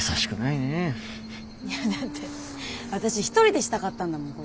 いやだって私一人でしたかったんだもん